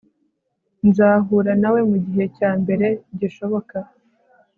nzahura nawe mugihe cyambere gishoboka